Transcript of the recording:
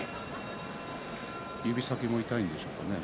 指先も痛いんでしょうかね。